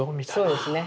そうですね。